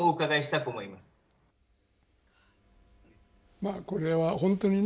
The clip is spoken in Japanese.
まあこれは本当にね。